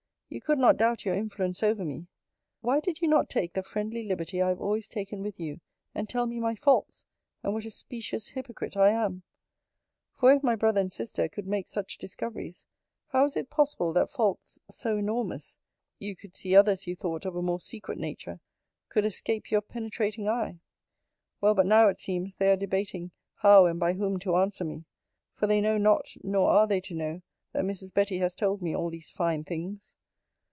You could not doubt your influence over me: Why did you not take the friendly liberty I have always taken with you, and tell me my faults, and what a specious hypocrite I am? For, if my brother and sister could make such discoveries, how is it possible, that faults to enormous [you could see others, you thought, of a more secret nature!] could escape you penetrating eye? Well, but now, it seems, they are debating how and by whom to answer me: for they know not, nor are they to know, that Mrs. Betty has told me all these fine things.